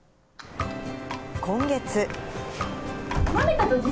今月。